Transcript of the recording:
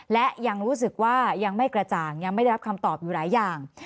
และยังรู้สึกว่ายังไม่กระจ่างยังไม่ได้รับคำตอบอยู่หลายอย่าง